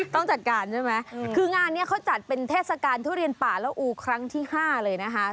ต้องจัดการใช่ไหมคืองานนี้เขาจัดเป็นเทศกาลทุเรียนป่าละอูครั้งที่๕เลยนะคะ